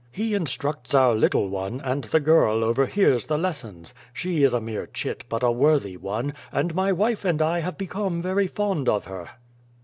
"He instructs our little one, and the girl over hears the lessons. She is a mere chit, but a worthy one, and my wife and I have become very fond of her."